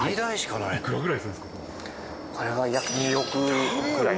これは約２億ぐらい。